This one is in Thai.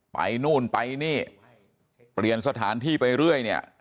ไปนู่นไปนี่เปลี่ยนสถานที่ไปเรื่อยเนี่ย